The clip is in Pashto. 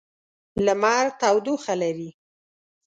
لمر تودوخه لري.